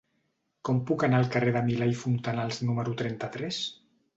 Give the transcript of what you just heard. Com puc anar al carrer de Milà i Fontanals número trenta-tres?